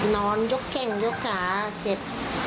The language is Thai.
นอนยกเข้งยกขาเจ็บ